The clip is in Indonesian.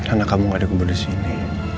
anak kamu gak dikubur disini